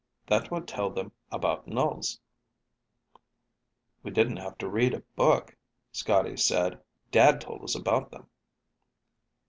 That will tell them about nulls." "We didn't have to read a book," Scotty said. "Dad told us about them."